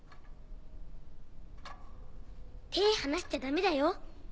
手離しちゃダメだよ。